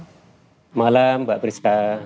selamat malam mbak priska